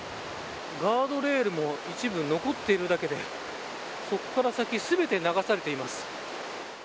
ガードレールも一部残っているだけでここから先全て流されています。